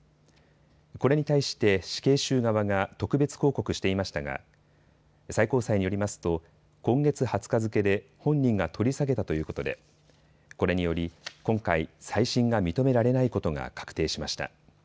これに対して死刑囚側が特別抗告していましたが最高裁によりますと今月２０日付けで本人が取り下げたということでこれにより今回、再審が認められないことが確定しました。